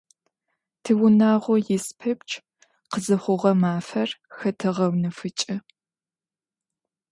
Тиунагъо ис пэпчъ къызыхъугъэ мафэр хэтэгъэунэфыкӀы.